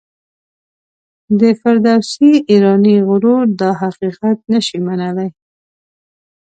د فردوسي ایرانی غرور دا حقیقت نه شي منلای.